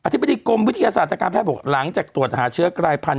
ธิบดีกรมวิทยาศาสตร์ทางการแพทย์บอกหลังจากตรวจหาเชื้อกลายพันธ